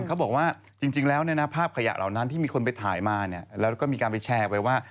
เขาบอกว่าจริงแล้วภาพขยะเหล่านั้นที่มีคนไปถ่ายมาแล้วก็มีการไปแชร์ไปว่า